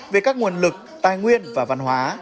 về các nguồn lực tài nguyên và văn hóa